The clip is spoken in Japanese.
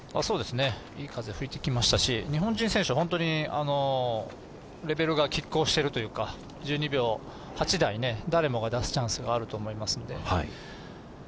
いい風吹いてきましたし日本人選手、ホントにレベルがきっ抗してるというか、１２秒８台を誰もが出すチャンスがあると思います。